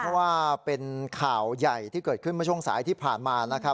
เพราะว่าเป็นข่าวใหญ่ที่เกิดขึ้นเมื่อช่วงสายที่ผ่านมานะครับ